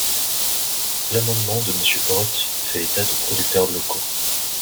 L’amendement de Monsieur Brottes fait état de producteurs locaux.